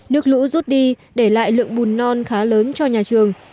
nước lũ rút đi để lại lượng bùn non khá lớn cho nhà trường